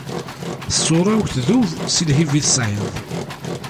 Ṣṣura-w tdub si lhiba i tesɛiḍ.